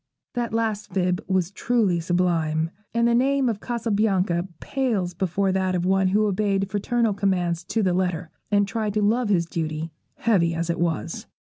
That last fib was truly sublime, and the name of Cassabianca pales before that of one who obeyed fraternal commands to the letter, and tried to love his duty, heavy as it was.